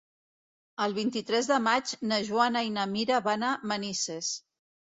El vint-i-tres de maig na Joana i na Mira van a Manises.